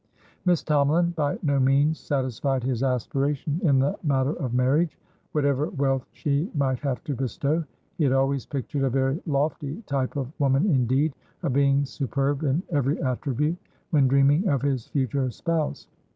Miss Tomalin by no means satisfied his aspiration in the matter of marriage, whatever wealth she might have to bestow; he had always pictured a very lofty type of woman indeed, a being superb in every attribute when dreaming of his future spouse.